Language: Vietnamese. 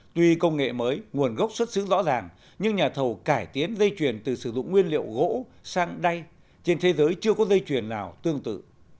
tuy công nghệ mới nguồn gốc xuất xứ rõ ràng nhưng nhà thầu cải tiến dây chuyển từ sử dụng nguyên liệu gỗ sang đay trên thế giới chưa có dây chuyển nào tương tự